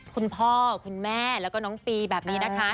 คุณพ่อคุณแม่แล้วก็น้องปีแบบนี้นะคะ